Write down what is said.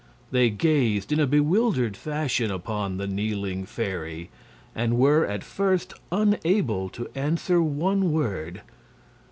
They gazed in a bewildered fashion upon the kneeling fairy, and were at first unable to answer one word.